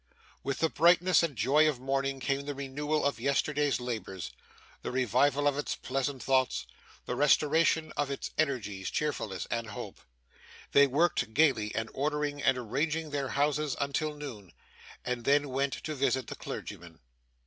With the brightness and joy of morning, came the renewal of yesterday's labours, the revival of its pleasant thoughts, the restoration of its energies, cheerfulness, and hope. They worked gaily in ordering and arranging their houses until noon, and then went to visit the clergyman.